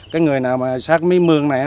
cái người nào sát mấy mương này